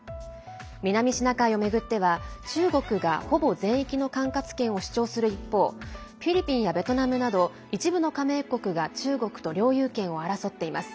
南シナ海を巡っては、中国がほぼ全域の管轄権を主張する一方フィリピンやベトナムなど一部の加盟国が中国と領有権を争っています。